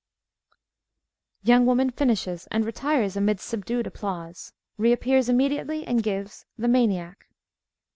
(_Young woman finishes, and retires amidst subdued applause. Reappears immediately and gives "The Maniac."